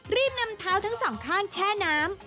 รีบนำเท้าทั้งสองข้างแช่น้ำ